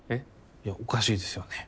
いやおかしいですよね。